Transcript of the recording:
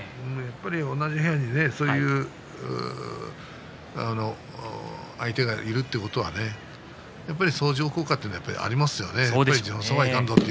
やっぱり同じ部屋にそういう相手がいるということは相乗効果というのはありますよね。